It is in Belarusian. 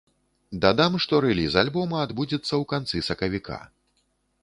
Дадам, што рэліз альбома адбудзецца ў канцы сакавіка.